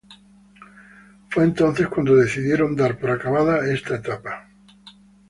Fue entonces cuando decidieron dar por acabada esta etapa.